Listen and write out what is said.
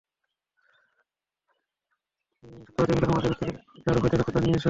তুমি সত্যবাদী হলে আমাদেরকে যার ভয় দেখাচ্ছ, তা নিয়ে এস!